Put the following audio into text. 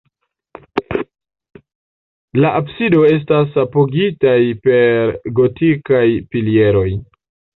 La absido estas apogitaj per gotikaj pilieroj.